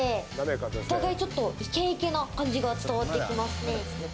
お互いちょっとイケイケな感じが伝わってきますね。